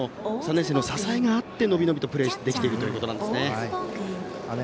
３年生の支えがあってのびのびとプレーできているということですね。